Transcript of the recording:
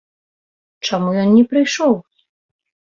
Чаму ён не прыйшоў?